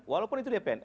walaupun itu dpns